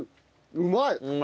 うまい！